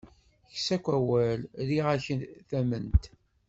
Kkes-ak awal, rriɣ-ak tamment!